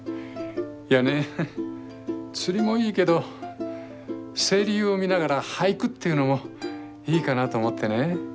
いやね釣りもいいけど清流を見ながら俳句っていうのもいいかなと思ってね。